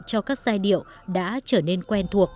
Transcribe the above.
cho các giai điệu đã trở nên quen thuộc